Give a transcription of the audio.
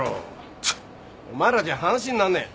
チッお前らじゃ話になんねえ。